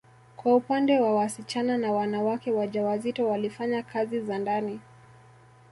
Kwa upande wa wasichana na wanawake wajawazito walifanya kazi za ndani